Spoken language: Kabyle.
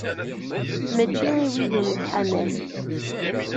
Mačči i wid ur nettḥamal.